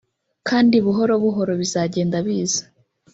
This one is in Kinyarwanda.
kandi buhoro buhoro bizagenda biza”